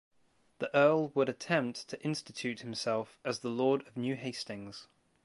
The Earl would attempt to institute himself as the Lord of New Hastings.